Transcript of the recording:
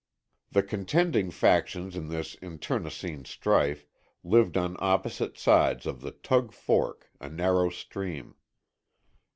The contending factions in this internecine strife lived on opposite sides of the Tug Fork, a narrow stream.